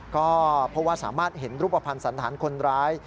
ก็เพราะว่าสามารถเห็นรูปภัณฑ์สันธารคนร้าย